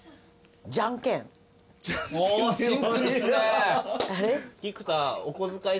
ああシンプルっすね。